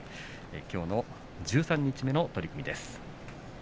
きょうの十三日目の取組です。